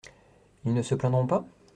Ils ne se plaindront pas ?